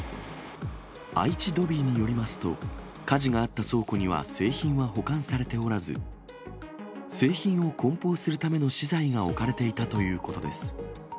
愛知ドビーによりますと、火事があった倉庫には製品は保管されておらず、製品をこん包するための資材が置かれていたということです。